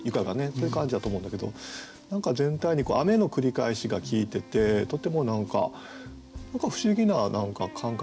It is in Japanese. そういう感じだと思うんだけど何か全体に「雨」の繰り返しが効いててとても何か不思議な感覚があってですね。